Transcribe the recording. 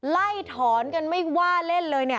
ไล่ถอนกันไม่ว่าเล่นเลยเนี่ย